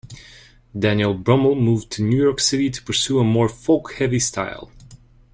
Daniel Brummel moved to New York City to pursue a more folk-heavy style.